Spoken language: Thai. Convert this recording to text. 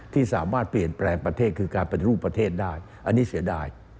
ที่สามารถเปลี่ยนแปลงประเทศคือการปฏิรูปประเทศได้อันนี้เสียดาย